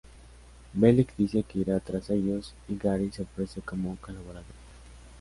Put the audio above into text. Bellick dice que irá tras ellos y Geary se ofrece como colaborador.